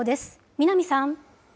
南さん。